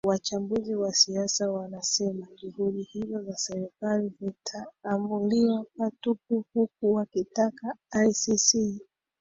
wachambuzi wa siasa wanasema juhudi hizo za serikali zitaambulia patupu huku wakitaka icc